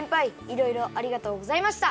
いろいろありがとうございました！